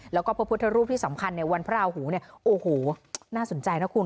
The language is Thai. แล้วก็พระพุทธรูปที่สำคัญในวันพระราหูเนี่ยโอ้โหน่าสนใจนะคุณ